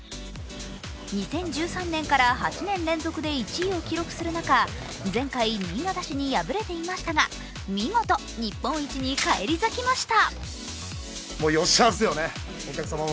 ２０１３年から８年連続で１位を記録する中、前回、新潟市に敗れていましたが、見事、日本一に返り咲きました。